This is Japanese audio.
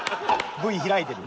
Ｖ開いてる。